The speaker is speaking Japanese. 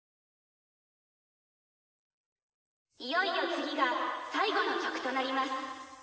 いよいよ次が最後の曲となります。